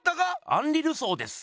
アンリ・ルソーです。